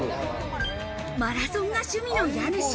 マラソンが趣味の家主。